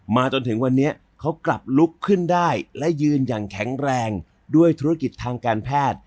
จนถึงวันนี้เขากลับลุกขึ้นได้และยืนอย่างแข็งแรงด้วยธุรกิจทางการแพทย์